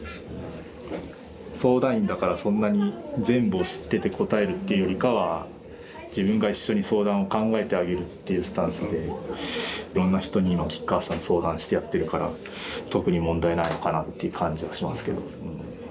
相談員だからそんなに全部を知ってて答えるっていうよりかは自分が一緒に相談を考えてあげるっていうスタンスでいろんな人に今吉川さん相談してやってるから特に問題ないのかなっていう感じはしますけど。